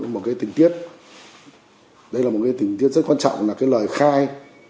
một cái tình tiết đây là một cái tình tiết rất quan trọng là cái lời khai